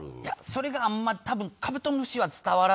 それがあんま多分。